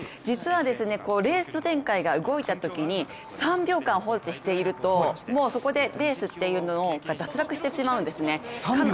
実は、レース展開が動いたときに３秒間放置していると、もうそこでレースっていうのが脱落してしまうんですね。